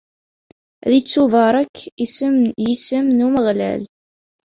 Ad ittubarek yisem n Umeɣlal.